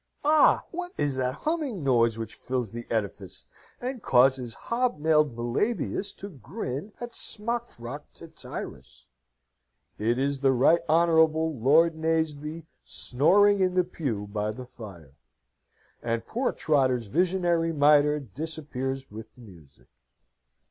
Ah! What is that humming noise, which fills the edifice, and causes hob nailed Melibaeus to grin at smock frocked Tityrus? It is the Right Honourable Lord Naseby snoring in the pew by the fire! And poor Trotter's visionary mitre disappears with the music.